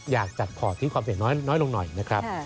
อยากจัดพอร์ตทิ้งความเสี่ยงน้อยลงหน่อยนะครับ